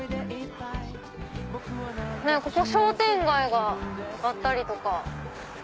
ここ商店街があったりとか。